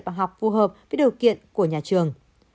và học phù hợp với điều kiện của nhà trường